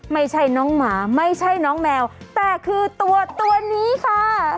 ไม่ใช่น้องหมาไม่ใช่น้องแมวแต่คือตัวตัวนี้ค่ะ